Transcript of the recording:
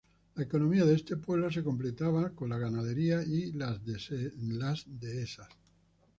La economía de este pueblo se completaba con la ganadería y las dehesas.